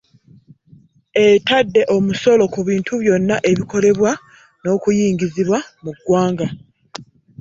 Etadde omusolo ku bintu byonna ebikolebwa n'okuyingizibwa mu ggwanga